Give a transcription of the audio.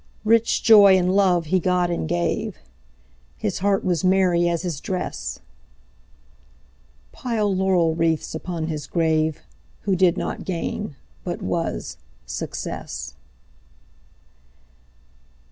Rich joy and love he got and gave; His heart was merry as his dress. Pile laurel wreaths upon his graveWho did not gain, but was, success.